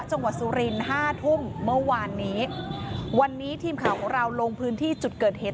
สุรินห้าทุ่มเมื่อวานนี้วันนี้ทีมข่าวของเราลงพื้นที่จุดเกิดเหตุ